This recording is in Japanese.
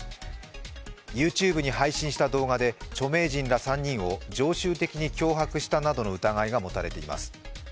ＹｏｕＴｕｂｅに配信した動画で著名人ら３人を常習的に脅迫したなどの疑いが持たれています。